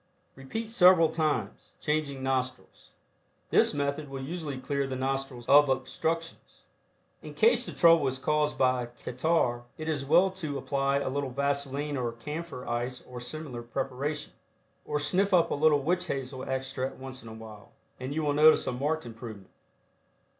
Repeat several times, changing nostrils. This method will usually clear the nostrils of obstructions. In case the trouble is caused by catarrh it is well to apply a little vaseline or camphor ice or similar preparation. Or sniff up a little witch hazel extract once in a while, and you will notice a marked improvement.